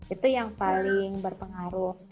itu yang paling berpengaruh